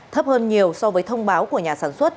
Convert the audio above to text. thấp hơn nhiều so với thông báo của nhà sản xuất